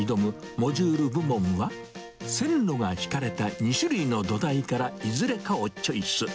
モジュール部門は、線路が敷かれた２種類の土台からいずれかをチョイス。